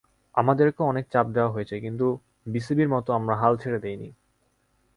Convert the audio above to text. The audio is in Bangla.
আমাদেরও অনেক চাপ দেওয়া হয়েছে কিন্তু বিসিবির মতো আমরা হাল ছেড়ে দিইনি।